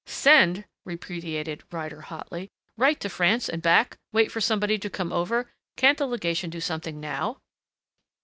"Send!" repudiated Ryder hotly. "Write to France and back wait for somebody to come over! Can't the legation do something now?"